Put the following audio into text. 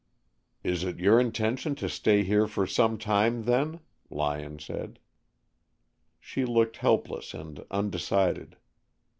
"Is It your intention to stay here for some time, then?" Lyon said. She looked helpless and undecided.